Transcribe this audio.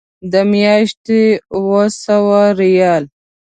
د میاشتې اوه سوه ریاله.